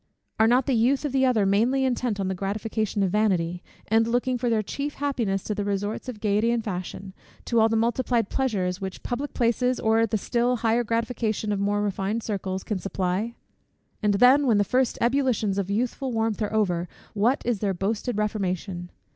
Are not the youth of the other mainly intent on the gratification of vanity; and looking for their chief happiness to the resorts of gaiety and fashion, to all the multiplied pleasures which public places, or the still higher gratifications of more refined circles, can supply? And then, when the first ebullitions of youthful warmth are over, what is their boasted reformation?